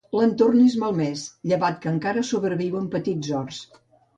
L'entorn és malmès, llevat que encara sobreviuen petits horts.